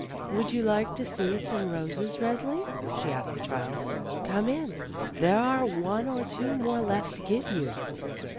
"Would you like some more roses, Resli?" she asked the child. "Come in, there are one or two more left to give you."